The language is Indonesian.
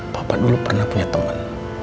bapak dulu pernah punya temen